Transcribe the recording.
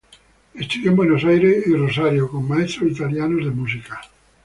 Estudió en Buenos Aires y Rosario con maestros italianos de música.